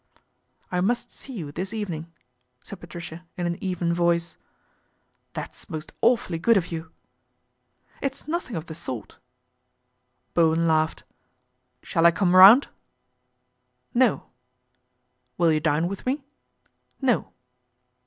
" I must see you this evening," said Patricia n an even voice. 1 That's most awfully good of you." " It's nothing of the sort." Bowen laughed. " Shall I come round ?" "No." ' Will you dine with me ?" No."